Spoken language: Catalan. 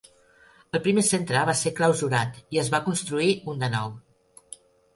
El primer centre va ser clausurat i es va construir un de nou.